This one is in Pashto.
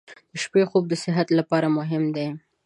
• د شپې خوب د صحت لپاره مهم دی.